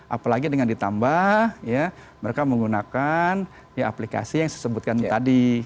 apalagi dengan ditambah ya mereka menggunakan aplikasi yang saya sebutkan tadi